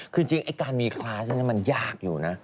คือจริงไอ้การมีคลาสนั้นมันยากอยู่นะ